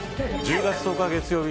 １０月１０日月曜日